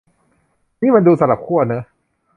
นี่มันดูสลับขั้วเนอะ